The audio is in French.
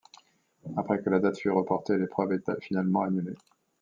Après que la date fut reportée, l'épreuve est finalement annulée.